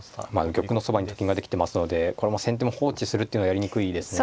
玉のそばにと金ができてますのでこれも先手も放置するっていうのはやりにくいですね。